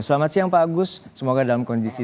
selamat siang pak agus semoga dalam kondisi